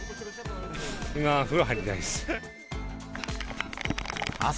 今、風呂入りたいです。